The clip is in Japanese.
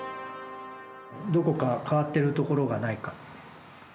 どこか変わってるところがないか。